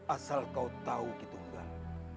asal kau tahu kitunggal